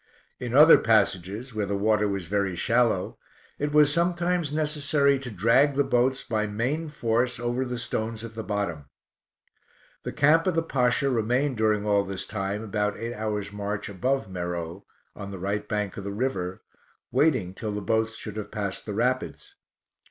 In other passages, where the water was very shallow, it was sometimes necessary to drag the boats by main force over the stones at the bottom. The camp of the Pasha remained during all this time about eight hours march above Meroe, on the right bank of the river, waiting till the boats should have passed the rapids.